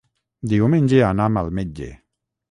Diumenge anam al metge.